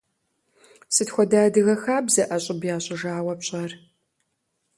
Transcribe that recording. Сыт хуэдэ адыгэ хабзэ ӏэщӏыб ящӏыжауэ пщӏэр?